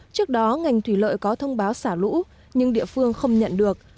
trước đó ngành thủy lợi có thông báo xả lũ nhưng địa phương không nhận được